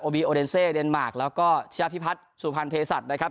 บีโอเดนเซเดนมาร์คแล้วก็ชนะพิพัฒน์สุพรรณเพศัตริย์นะครับ